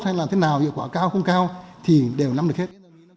hay làm thế nào hiệu quả cao không cao thì đều nắm được hết